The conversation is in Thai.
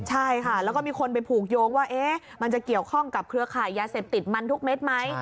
ใช่ค่ะแล้วก็มีคนไปผูกโยงว่ามันจะเกี่ยวข้องกับเครือข่ายยาเสพติดมันทุกเม็ดไหม